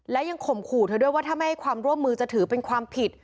และยังข่มขู่เธอด้วยว่าถ้าไม่ให้ความร่วมมือจะถือเป็นความผิด